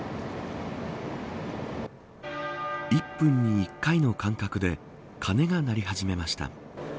１分に１回の間隔で鐘が鳴り始めました。